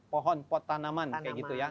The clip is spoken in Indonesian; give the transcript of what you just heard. pohon pot tanaman seperti itu ya